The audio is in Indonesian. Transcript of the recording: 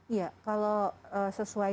iya kalau sesuai